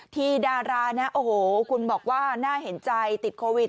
ดารานะโอ้โหคุณบอกว่าน่าเห็นใจติดโควิด